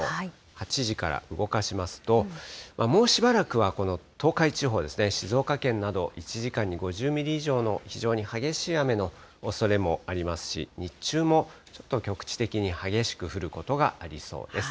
８時から動かしますと、もうしばらくはこの東海地方ですね、静岡県など、１時間に５０ミリ以上の非常に激しい雨のおそれもありますし、日中もちょっと局地的に激しく降ることがありそうです。